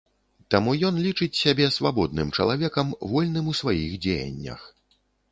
Таму ён лічыць сябе свабодным чалавекам вольным у сваіх дзеяннях.